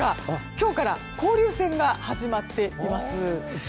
今日から交流戦が始まっています。